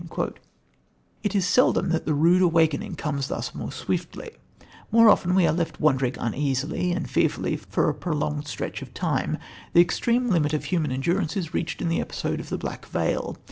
It is seldom that the rude awakening comes thus swiftly. More often we are left wondering uneasily and fearfully for a prolonged stretch of time. The extreme limit of human endurance is reached in the episode of the Black Veil.